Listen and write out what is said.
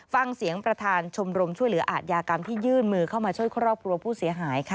ฟังเสียงประธานชมรมช่วยเหลืออาทยากรรมที่ยื่นมือเข้ามาช่วยครอบครัวผู้เสียหายค่ะ